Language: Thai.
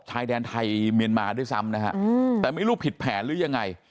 ชายแดนไทยเมียนมาด้วยซ้ำนะฮะแต่ไม่รู้ผิดแผนหรือยังไง